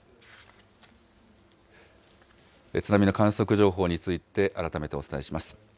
津波の観測情報について、改めてお伝えします。